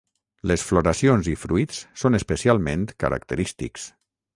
Les floracions i fruits són especialment característics.